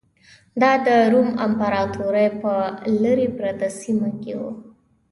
دا د روم امپراتورۍ په لرې پرته سیمه کې و